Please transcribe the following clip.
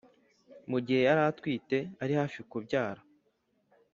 mu gihe yari atwite ari hafi kubyara,